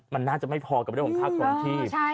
มันน่าจะไม่พอกับเรื่องของค่าครองชีพ